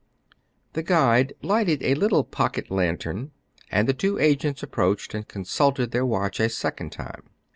The guide lighted a little pocket lantern, and the " two agents approached, and consulted their watch a second time.